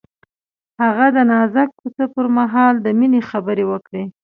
هغه د نازک کوڅه پر مهال د مینې خبرې وکړې.